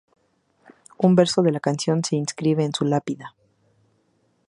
Un verso de la canción se inscribe en su lápida.